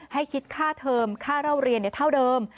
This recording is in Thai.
ให้คิดค่าเทอมค่าเล่าเรียนเท่าเดิม